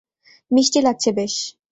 মিষ্টি লাগছে বেশ।